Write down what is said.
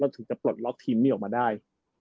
ถึงจะปลดล็อกทีมนี้ออกมาได้